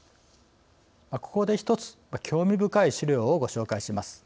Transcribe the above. ここで一つ興味深い資料をご紹介します。